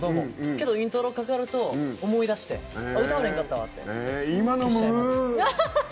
けどイントロかかると思い出して歌われへんかったわって今、飲む？